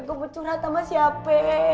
gue curhat sama siapa